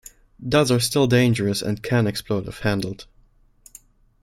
Duds are still dangerous, and can explode if handled.